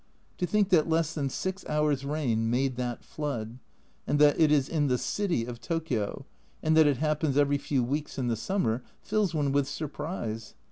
To think that less than six hours' rain made that flood, and that it is in the city of Tokio, and that it happens every few weeks in the summer, fills one with surprise.